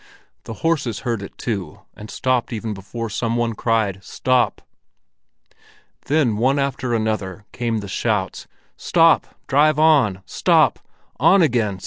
The horses heard it too, and stopped even before some one cried "Stop!" Then one after another came the shouts: "Stop! Drive on! Stop! On again!